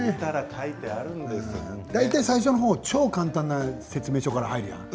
大体、最初のほうは超簡単な説明書から入るやん？